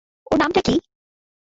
ওর নামটা কী?